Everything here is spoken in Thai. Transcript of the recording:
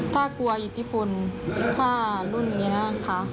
ถ้ากลัวอิทธิพลถ้ารุ่นนี้นะค่ะ